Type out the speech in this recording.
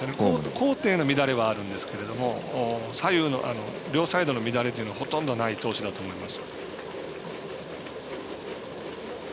高低の乱れはあるんですけど両サイドの乱れというのはほとんどない投手だと思います。